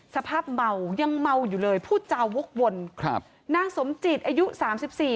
สภาพเมายังเมาอยู่เลยพูดจาวกวนครับนางสมจิตอายุสามสิบสี่